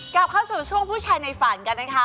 กลับเข้าสู่ช่วงผู้ชายในฝันกันนะคะ